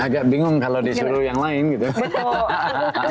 agak bingung kalau disuruh yang lain gitu